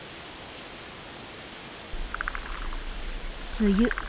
梅雨。